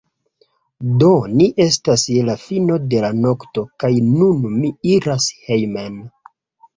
Do, ni estas je la fino de la nokto kaj nun mi iras hejmen